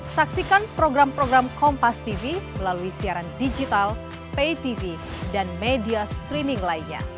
saksikan program program kompas tv melalui siaran digital pay tv dan media streaming lainnya